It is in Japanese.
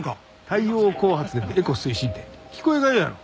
太陽光発電でエコ推進って聞こえがええやろ。